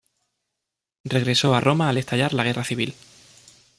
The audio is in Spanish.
Regresó a Roma al estallar la Guerra Civil.